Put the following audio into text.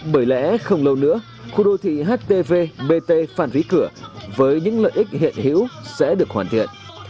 bởi lẽ không lâu nữa khu đô thị htvbt phan rí cửa với những lợi ích hiện hữu sẽ được hoàn thiện